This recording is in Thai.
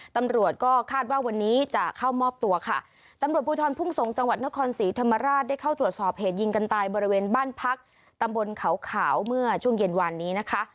ตำรวจก็คาดว่าวันนี้จะเข้ามอบตัวค่ะตำรวจภูทรทุ่งสงศ์จังหวัดนครศรีธรรมราชได้เข้าตรวจสอบเหตุยิงกันตายบริเวณบ้านพักตำบลเขาขาวเมื่อช่วงเย็นวานนี้นะคะ